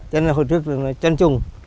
cho nên hồi trước là trôn trung